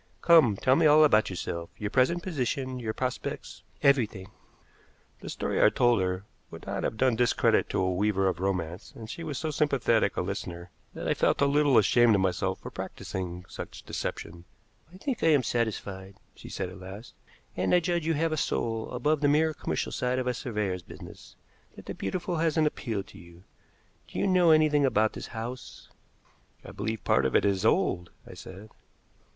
Come, tell me all about yourself, your present position, your prospects everything." The story I told her would not have done discredit to a weaver of romance, and she was so sympathetic a listener that I felt a little ashamed of myself for practicing such deception. "I think I am satisfied," she said at last, "and I judge you have a soul above the mere commercial side of a surveyor's business that the beautiful has an appeal to you. Do you know anything about this house?" "I believe part of it is old," I said.